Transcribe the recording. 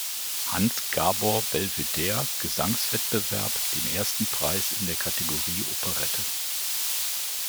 Hans-Gabor-Belvedere-Gesangswettbewerb den Ersten Preis in der Kategorie Operette.